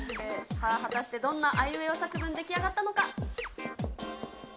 さあ、果たしてどんなあいうえお作文が出来上がったのか。